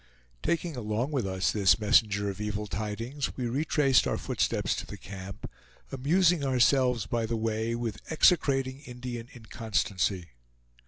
Taking along with us this messenger of evil tidings, we retraced our footsteps to the camp, amusing ourselves by the way with execrating Indian inconstancy.